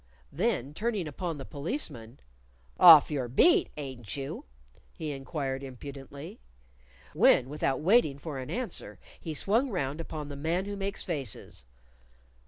Then turning upon the Policeman, "Off your beat, ain't you?" he inquired impudently; when, without waiting for an answer, he swung round upon the Man Who Makes Faces.